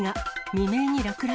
未明に落雷？